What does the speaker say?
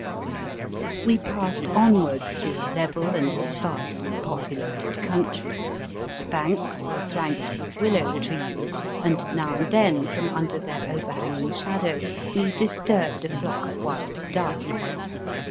We passed onward through a level and sparsely populated country. The banks were flanked with willow trees, and now and then, from under their overhanging shadow, we dis turbed a flock of wild ducks.